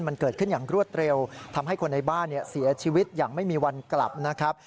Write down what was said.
มันเกิดขึ้นอย่างรวดเร็วทำให้คนในบ้านเสียชีวิตอย่างไม่มีวันกลับนะครับ